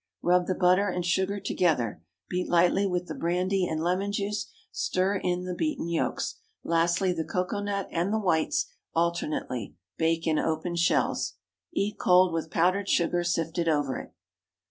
Rub the butter and sugar together; beat light with the brandy and lemon juice; stir in the beaten yolks; lastly the cocoa nut and the whites, alternately. Bake in open shells. Eat cold, with powdered sugar sifted over it.